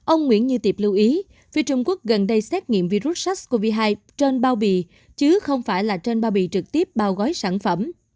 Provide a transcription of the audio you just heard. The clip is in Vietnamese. ông nguyễn như tiệp lưu ý phía trung quốc gần đây xét nghiệm virus sars cov hai trên bao bì chứ không phải là trên bao bì trực tiếp bao gói sản phẩm